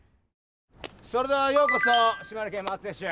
それではようこそ島根県松江市へ。